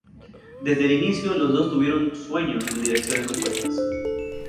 Desde el inicio, los dos tuvieron sueños en direcciones opuestas.